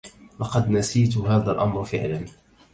لقد نسيت هذا الأمر فعلاً